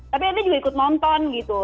tapi anda juga ikut nonton gitu